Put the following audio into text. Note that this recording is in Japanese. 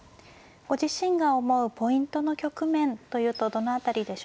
ご自身が思うポイントの局面というとどの辺りでしょうか。